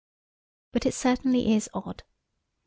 But it certainly is odd.